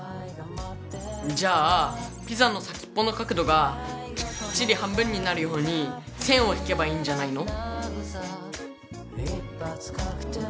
じゃあピザの先っぽの角度がきっちり半分になるように線を引けばいいんじゃないの？